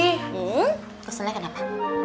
hmm keselnya kenapa